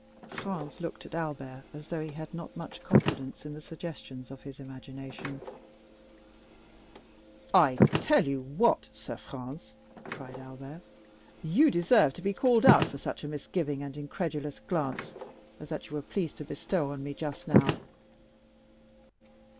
Franz looked at Albert as though he had not much confidence in the suggestions of his imagination. "I tell you what, M. Franz," cried Albert, "you deserve to be called out for such a misgiving and incredulous glance as that you were pleased to bestow on me just now."